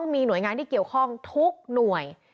มีหน่วยงานที่เกี่ยวข้องทุกหน่วย